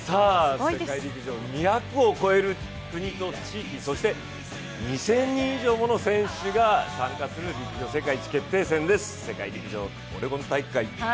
世界陸上２００を超える国と地域そして２０００人以上もの選手が参加する陸上世界一決定戦です世界陸上オレゴン大会。